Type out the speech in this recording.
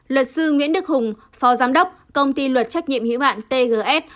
luật sư nguyễn đức hùng phó giám đốc công ty luật trách nhiệm hiểu bản tgs